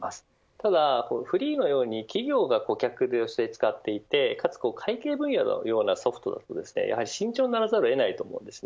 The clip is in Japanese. ただｆｒｅｅｅのように企業が顧客として使ってかつ会計分野のようなソフトだと慎重にならざるをえないと思います。